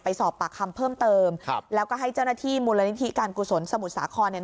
สอบปากคำเพิ่มเติมครับแล้วก็ให้เจ้าหน้าที่มูลนิธิการกุศลสมุทรสาครเนี่ย